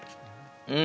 うん。